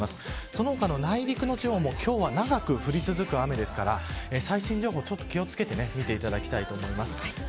その他、内陸の地方も今日は長く降り続けますから最新情報、気を付けて見ていただきたいです。